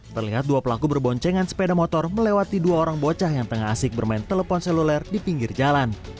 terlihat dua pelaku berboncengan sepeda motor melewati dua orang bocah yang tengah asik bermain telepon seluler di pinggir jalan